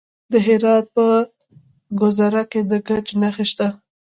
د هرات په ګذره کې د ګچ نښې شته.